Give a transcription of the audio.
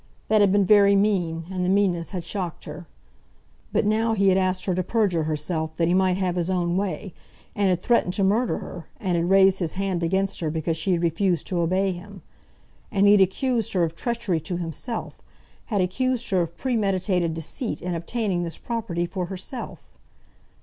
That had been very mean, and the meanness had shocked her. But now he had asked her to perjure herself that he might have his own way, and had threatened to murder her, and had raised his hand against her because she had refused to obey him. And he had accused her of treachery to himself, had accused her of premeditated deceit in obtaining this property for herself!